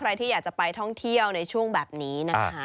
ใครที่อยากจะไปท่องเที่ยวในช่วงแบบนี้นะคะ